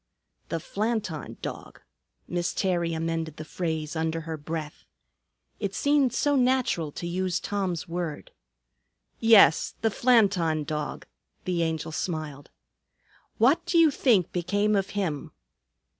"The Flanton Dog." Miss Terry amended the phrase under her breath. It seemed so natural to use Tom's word. "Yes, the Flanton Dog," the Angel smiled. "What do you think became of him?"